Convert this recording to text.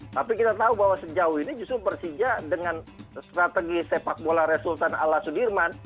tapi kita tahu bahwa sejauh ini justru persija dengan strategi sepak bola resultan ala sudirman